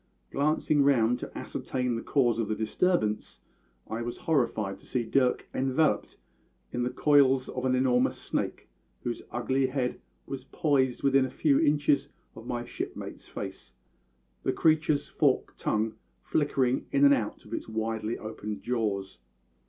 Glancing round to ascertain the cause of the disturbance, I was horrified to see Dirk enveloped in the coils of an enormous snake, whose ugly head was poised within a few inches of my shipmate's face, the creature's forked tongue flickering in and out of its widely opened jaws.